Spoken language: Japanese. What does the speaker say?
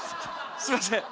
すいません！